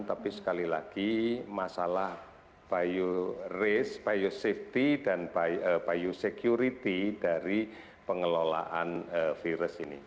tapi sekali lagi masalah bio risk bio safety dan bio security dari pengelolaan virus ini